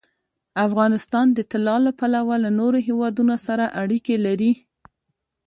افغانستان د طلا له پلوه له نورو هېوادونو سره اړیکې لري.